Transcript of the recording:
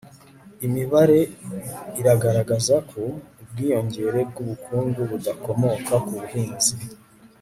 imibare iragaragaza ko ubwiyongere bw'ubukungu budakomoka ku buhinzi